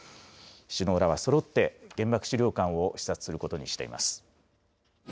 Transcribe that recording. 首脳らはそろって原爆資料館を視察することになっています。